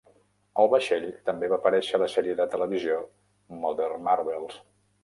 El vaixell també va aparèixer a la sèrie de televisió Modern Marvels.